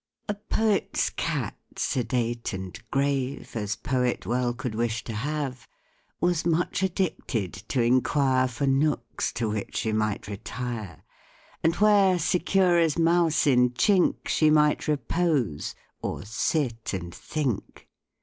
A poet's cat, sedate and grave As poet well could wish to have, Was much addicted to inquire For nooks to which she might retire, And where, secure as mouse in chink, She might repose, or sit and think.